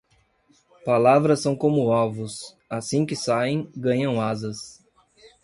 Palavras são como ovos: assim que saem, ganham asas.